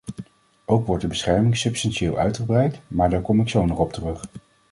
Ook wordt de bescherming substantieel uitgebreid, maar daar kom ik zo nog op terug.